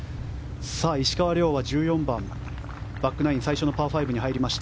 石川遼は１４番バックナイン最初のパー５に入りました。